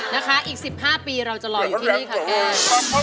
นะคะอีก๑๕ปีเราจะรออยู่ที่นี่ค่ะแก้